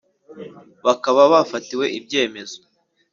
Bakaba bafatiwe ibyemezo.